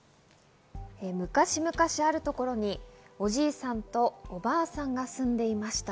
昔々あるところにおじいさんとおばあさんが住んでいました。